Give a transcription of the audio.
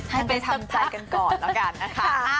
ให้ไปทำใจกันก่อนแล้วกันนะคะ